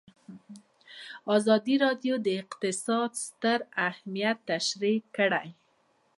ازادي راډیو د اقتصاد ستر اهميت تشریح کړی.